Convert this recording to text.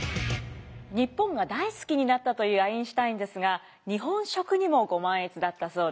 日本が大好きになったというアインシュタインですが日本食にもご満悦だったそうです。